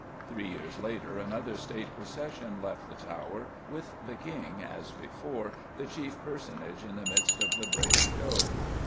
Three years later another State procession left the Tower, with the King, as before, the chief personage in the midst of the brave show.